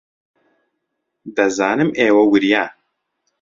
دەزانم ئێوە وریان.